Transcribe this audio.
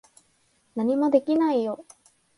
何もできないよ。